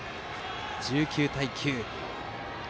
１９対９。